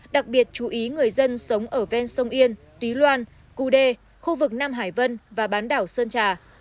đặc biệt chú ý người dân sống ở ven sông yên túy loan cu đê khu vực nam hải vân và bán đảo sơn trà